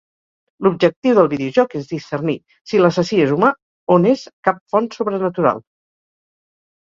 L'objectiu del videojoc és discernir si l'assassí és humà o n'és cap font sobrenatural.